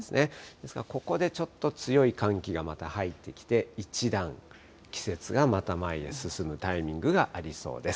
ですから、ここでちょっと強い寒気がまた入ってきて、一段季節がまた前へ進むタイミングがありそうです。